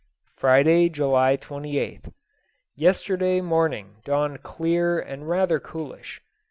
Friday, July 28th. Yesterday morning dawned clear and rather coolish.